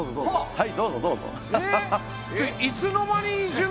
はい。